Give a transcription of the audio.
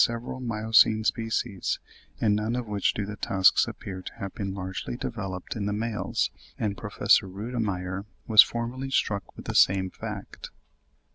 several miocene species, in none of which do the tusks appear to have been largely developed in the males; and Professor Rutimeyer was formerly struck with this same fact.